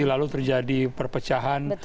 lalu terjadi perpecahan